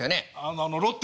あのロッテのね。